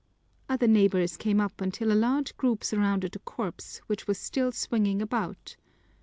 Other neighbors came up until a large group surrounded the corpse, which was still swinging about.